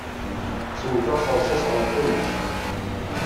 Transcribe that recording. Ttewteɣ s rrṣaṣ ɣer tayet.